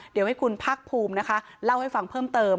เดี๋ยวให้คุณภาคภูมินะคะเล่าให้ฟังเพิ่มเติม